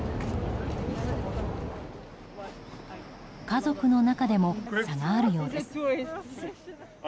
家族の中でも差があるようです。